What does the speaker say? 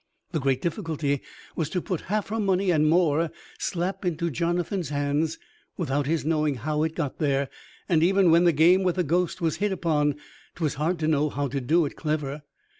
The great difficulty was to put half her money and more, slap into Jonathan's hands without his knowing how it got there; and, even when the game with the ghost was hit upon, 'twas hard to know how to do it clever.